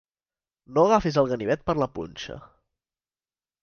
No agafis el ganivet per la punxa.